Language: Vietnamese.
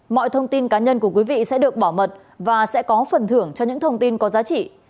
mọi thông tin cá nhân của quý vị sẽ được bảo mật và sẽ có phần thưởng cho những thông tin có giá trị